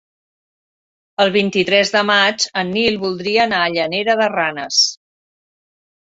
El vint-i-tres de maig en Nil voldria anar a Llanera de Ranes.